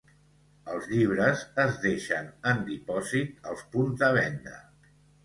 Els llibres es deixen en dipòsit als punts de venda.